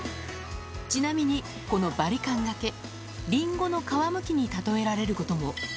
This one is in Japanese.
ちなみにこのバリカンがけ、りんごの皮むきに例えられることも。